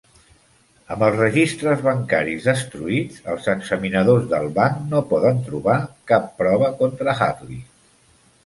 Amb els registres bancaris destruïts, els examinadors del banc no poden trobar cap prova contra Hadley.